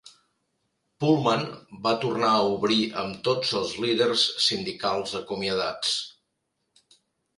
Pullman va tornar a obrir amb tots els líders sindicals acomiadats.